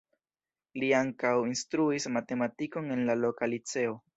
Li ankaŭ instruis matematikon en la loka liceo.